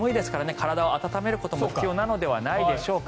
体を温めることも必要なのではないでしょうか。